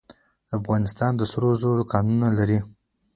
افغانستان د سرو زرو کانونه لري